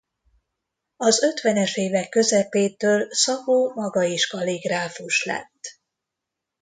Az ötvenes évek közepétől Szabó maga is kalligráfus lett.